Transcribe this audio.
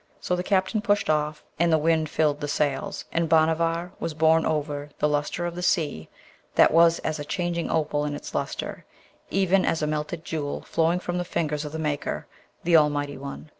So the captain pushed off, and the wind filled the sails, and Bhanavar was borne over the lustre of the sea, that was as a changing opal in its lustre, even as a melted jewel flowing from the fingers of the maker, the Almighty One.